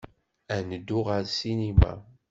Ad neddu ɣer ssinima.